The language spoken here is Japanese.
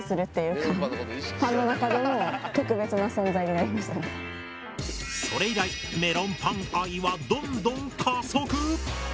それから何かそれ以来メロンパン愛はどんどん加速！